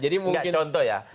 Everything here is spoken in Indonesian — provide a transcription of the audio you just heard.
jadi mungkin contoh ya